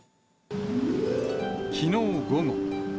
きのう午後。